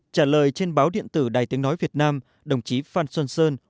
trả lời trên báo điện tử đài tiếng nói việt nam đồng chí phan xuân sơn